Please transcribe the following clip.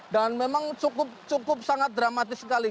dan memang cukup cukup sangat dramatis sekali